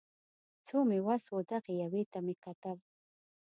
څو مې وس و دغې یوې ته مې کتل